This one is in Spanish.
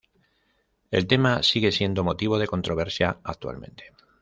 El tema sigue siendo motivo de controversia actualmente.